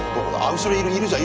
後ろいるいるじゃん。